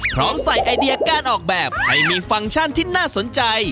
พร้อมใส่ไอเดียการออกแบบให้มีฟังก์ชันที่น่าสนใจ